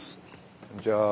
こんにちは。